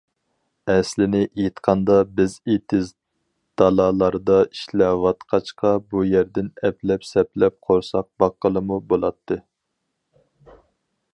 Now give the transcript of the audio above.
ئەسلىنى ئېيتقاندا، بىز ئېتىز- دالالاردا ئىشلەۋاتقاچقا، ئۇ يەردىن ئەپلەپ- سەپلەپ قورساق باققىلىمۇ بولاتتى.